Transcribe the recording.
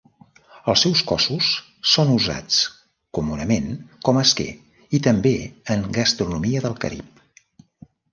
Els seus cossos són usats comunament com a esquer i també en gastronomia del Carib.